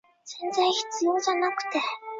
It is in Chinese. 欢迎大家来找我